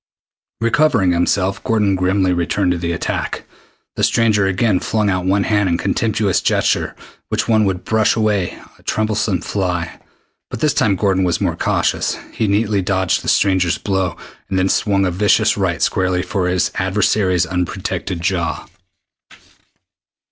Recovering himself, Gordon grimly returned to the attack. The stranger again flung out one hand in the contemptuous gesture with which one would brush away a troublesome fly, but this time Gordon was more cautious. He neatly dodged the stranger's blow, then swung a vicious right squarely for his adversary's unprotected jaw.